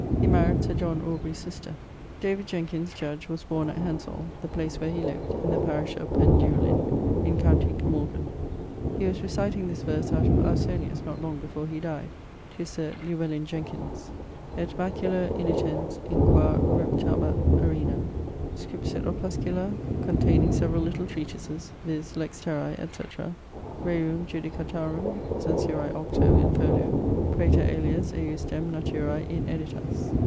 He marryed Sir John Aubrey's sister. David Jenkins, judge, was borne at Hensol, the place where he lived, in the parish of Pendeylwyn in com. Glamorgan. He was reciting this verse out of Ausonius, not long before he dyed, to Sir Llewellin Jenkins: Et baculo innitens, in qua reptabat arena. Scripsit Opuscula, contayning severall little treatises, viz. Lex terrae, etc.; Rerum judicatarum censurae octo, in folio; praeter alias ejusdem naturae ineditas.